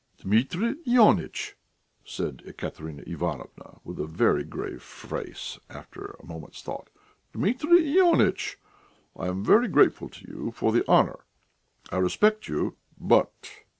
"Dmitri Ionitch," said Ekaterina Ivanovna, with a very grave face, after a moment's thought "Dmitri Ionitch, I am very grateful to you for the honour. I respect you, but